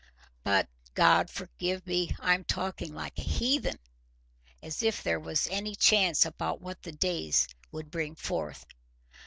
But, God forgive me! I'm talking like a heathen. As if there was any chance about what the days would bring forth.